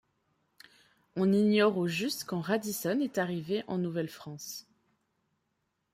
On ignore au juste quand Radisson est arrivé en Nouvelle-France.